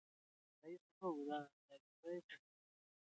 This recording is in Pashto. دوی دوه کنډکه ستانه سول.